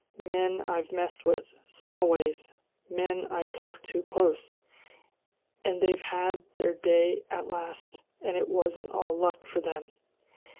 Men I've messed with, Smallways men I've talked to close! And they've had their day at last! And it wasn't all luck for them!